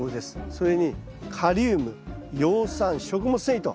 それにカリウム葉酸食物繊維と。